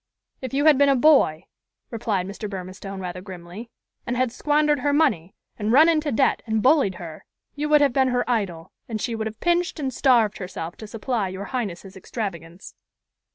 "If you had been a boy," replied Mr. Burmistone rather grimly, "and had squandered her money, and run into debt, and bullied her, you would have been her idol, and she would have pinched and starved herself to supply your highness's extravagance."